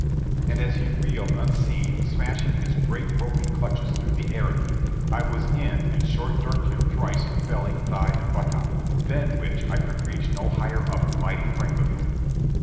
And as he reeled unseeing, smashing his great groping clutches through the air at me, I was in and short dirked him thrice in belly, thigh and buttock, than which I could reach no higher up the mighty frame of him.